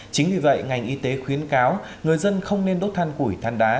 chính vì vậy ngành y tế khuyến cáo người dân không nên đốt than củi than đá